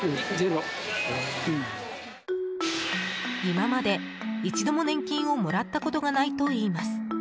今まで一度も年金をもらったことがないといいます。